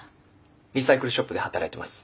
リサイクルショップで働いてます。